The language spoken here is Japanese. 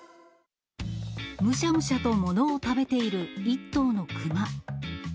むしゃむしゃとものを食べている１頭のクマ。